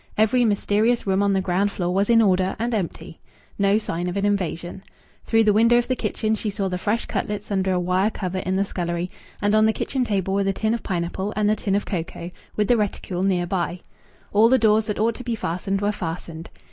Every mysterious room on the ground floor was in order and empty. No sign of an invasion. Through the window of the kitchen she saw the fresh cutlets under a wire cover in the scullery; and on the kitchen table were the tin of pineapple and the tin of cocoa, with the reticule near by. All doors that ought to be fastened were fastened.